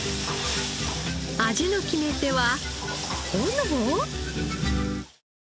味の決め手は炎？